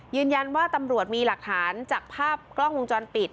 ยืนยันว่าตำรวจมีหลักฐานจากภาพกล้องวงจรปิด